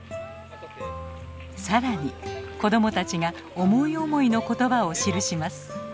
更に子供たちが思い思いの言葉を記します。